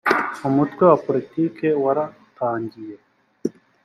umutwe wa politiki waratangiye